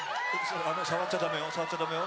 触っちゃだめよ、触っちゃだめよ。